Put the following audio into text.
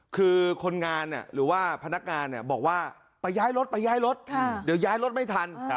คือคนงานหรือว่าพนักงานบอกว่าไปย้ายรถไปย้ายรถเดี๋ยวย้ายรถไม่ทัน